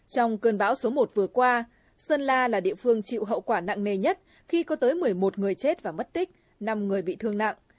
trong cơn bão số một vừa qua sơn la là địa phương chịu hậu quả nặng nề nhất khi có tới một mươi một người chết và mất tích năm người bị thương nặng